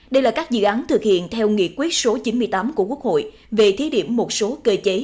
đây là các dự án thực hiện theo nghị quyết số chín mươi tám của quốc hội về thí điểm một số cơ chế